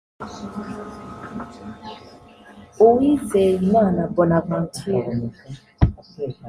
Uwizeyimana Bonaventure